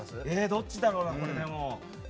どっちだろうな。